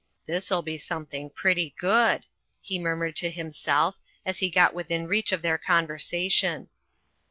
"This'll be something pretty good," he murmured to himself as he got within reach of their conversation.